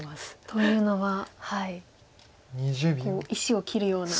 というのは石を切るような。